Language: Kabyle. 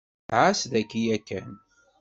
Ɛas daki yakan.